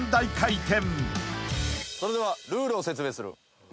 それではルールを説明する。